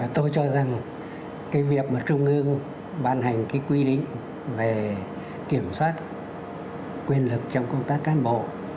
tôi cho rằng cái việc mà trung ương ban hành cái quy định về kiểm soát quyền lực trong công tác cán bộ